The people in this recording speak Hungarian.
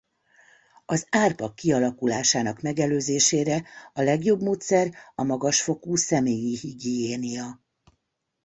Az árpa kialakulásának megelőzésére a legjobb módszer a magas fokú személyi higiénia.